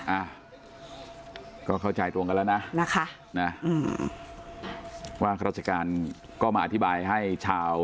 อ่ะก็เข้าใจตรงกันแล้วนะนะคะนะอืมว่าข้าราชการก็มาอธิบายให้ชาว